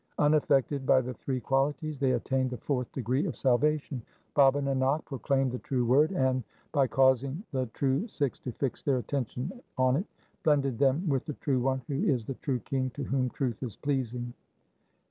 Unaffected by the three qualities, they attain the fourth degree of salvation. Baba Nanak proclaimed the true Word, and, by causing the true Sikhs to fix their attention on it, blended them with the True One who is the true King to whom truth is pleasing.